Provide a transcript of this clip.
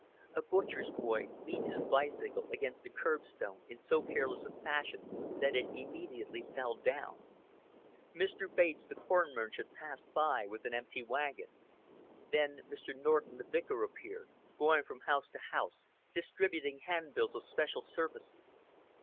A butcher's boy leaned his bicycle against the curbstone in so careless a fashion that it immediately fell down; Mr. Bates the corn merchant passed by with an empty wagon; then Mr. Norton the vicar appeared, going from house to house, distributing handbills of special services.